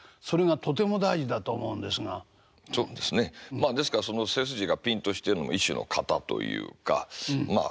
まあですから背筋がピンとしてるのも一種の型というかまあ